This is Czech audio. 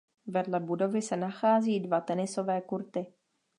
Vedle budovy se nachází dva tenisové kurty.